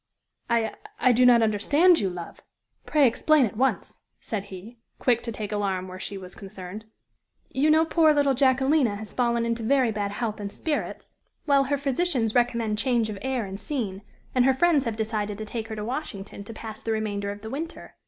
"I I do not understand you, love! Pray explain at once," said he, quick to take alarm where she was concerned. "You know poor little Jacquelina has fallen into very bad health and spirits? Well, her physicians recommend change of air and scene, and her friends have decided to take her to Washington to pass the remainder of the winter.